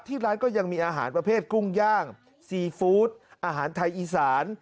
ร้านก็ยังมีอาหารประเภทกุ้งย่างซีฟู้ดอาหารไทยอีสาน